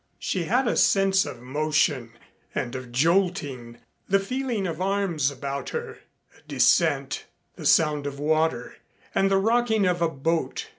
She had a sense of motion and of jolting, the feeling of arms about her, a descent, the sound of water and the rocking of a boat.